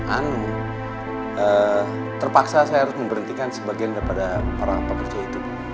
anu terpaksa saya harus memberhentikan sebagian daripada para pekerja itu